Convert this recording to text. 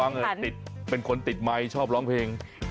คุณระวังเป็นคนติดไมค์ชอบร้องเพลง